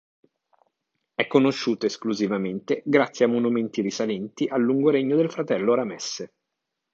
È conosciuta esclusivamente grazie a monumenti risalenti al lungo regno del fratello Ramesse.